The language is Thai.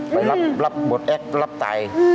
ไปรับบทแอ๊กรับไต